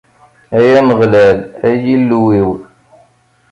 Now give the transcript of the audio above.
Ay Ameɣlal, ay Illu-iw.